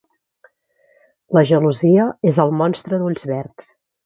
La gelosia és el monstre d'ulls verdsr